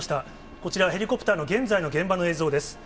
こちら、ヘリコプターの現在の現場の映像です。